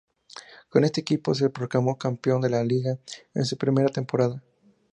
Con este equipo se proclamó campeón de Liga en su primera temporada.